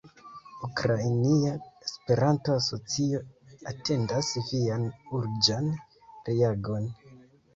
Ukrainia Esperanto-Asocio atendas Vian urĝan reagon."